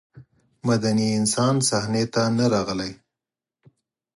مدني انسان صحنې ته نه راغلی.